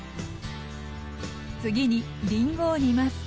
次にりんごを煮ます。